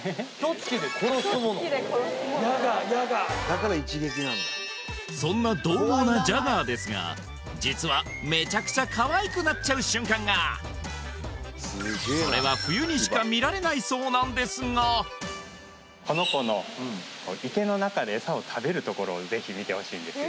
ヤガーヤガーそんなどう猛なジャガーですが実はめちゃくちゃかわいくなっちゃう瞬間がそれは冬にしか見られないそうなんですがこの子の池の中でエサを食べるところをぜひ見てほしいんですよ